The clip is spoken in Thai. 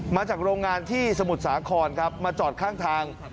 มาจากโรงงานที่สมุทรสาครครับมาจอดข้างทาง